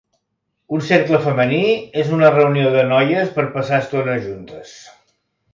Un "cercle femení" és una reunió de noies per passar estona juntes.